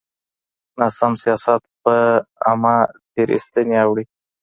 ناسم سياست په عامه تېرايستني اوړي.